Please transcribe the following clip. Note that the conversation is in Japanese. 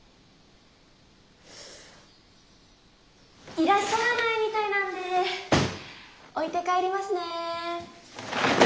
いらっしゃらないみたいなんでー置いて帰りますねー。